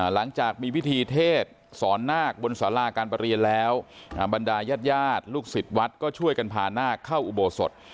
หลังจากมีพิธีเทศสอนนาคบนสาราการประเรียนแล้วบรรดายาดลูกศิษย์วัดก็ช่วยกันพานาคเข้าอุโบสถ